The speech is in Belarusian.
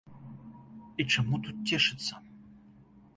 І чаму тут цешыцца?